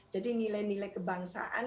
jadi nilai nilai kebangsaan